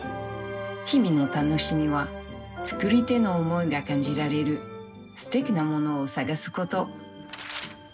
日々の楽しみは作り手の思いが感じられるすてきなものを探すこと。